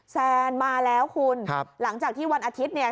แซนมาแล้วคุณหลังจากที่วันอาทิตย์เนี่ย